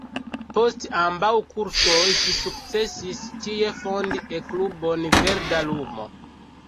Post ambaŭ kursoj ŝi sukcesis tie fondi E-klubon "Verda lumo".